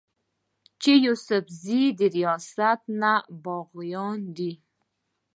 چې يوسفزي د رياست نه باغيان دي